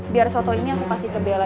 biar soto ini aku kasih ke bella